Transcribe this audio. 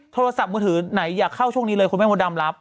โทรศัพท์มือถือไหนอยากเข้าช่วงนี้เลยคุณแม่มดดำรับ